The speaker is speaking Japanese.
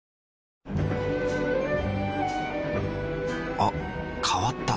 あ変わった。